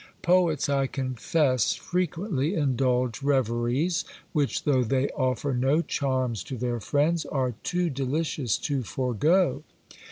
Poets, I confess, frequently indulge reveries, which, though they offer no charms to their friends, are too delicious to forego.